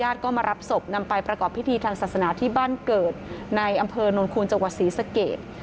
ก็มารับศพนำไปประกอบพิธีทางศาสนาที่บ้านเกิดในอำเภอนนคูณจังหวัดศรีสเกต